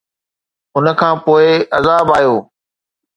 ان کان پوءِ عذاب آيو